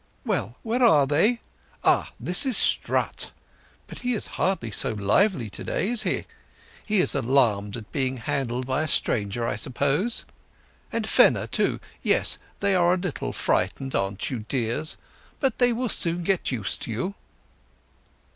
Well, where are they? Ah, this is Strut! But he is hardly so lively to day, is he? He is alarmed at being handled by a stranger, I suppose. And Phena too—yes, they are a little frightened—aren't you, dears? But they will soon get used to you."